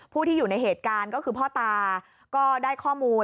ผู้ที่อยู่ในเหตุการณ์ก็คือพ่อตาก็ได้ข้อมูล